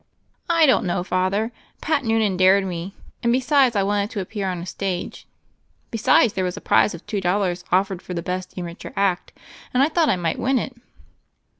"I don't know. Father. Pat Noonan dared me. And besides I wanted to appear on a stage. Besides there was a prize of two dollars offered for the best amateur act, and I thought I might win it."